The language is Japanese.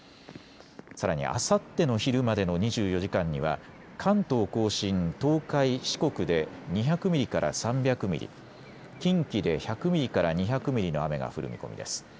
さらにあさっての昼までの２４時間には関東甲信、東海、四国で２００ミリから３００ミリ、近畿で１００ミリから２００ミリの雨が降る見込みです。